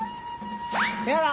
「やだ！